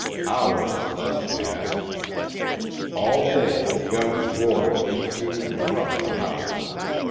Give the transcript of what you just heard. Hours thus passed. All day the guns roared into and from the house.